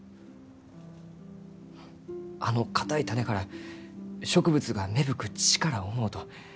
あの硬い種から植物が芽吹く力を思うと胸が熱うなります。